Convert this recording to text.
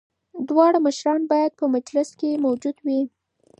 دواړه مشران باید په مجلس کي موجود وي.